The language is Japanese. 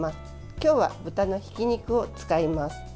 今日は豚のひき肉を使います。